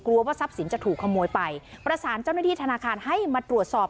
ว่าทรัพย์สินจะถูกขโมยไปประสานเจ้าหน้าที่ธนาคารให้มาตรวจสอบ